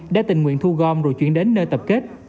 đã tình nguyện thu gom rồi chuyển đến nơi tập kết